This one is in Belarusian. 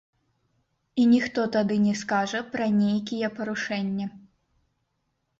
І ніхто тады не скажа пра нейкія парушэнне.